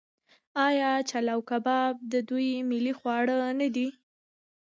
آیا چلو کباب د دوی ملي خواړه نه دي؟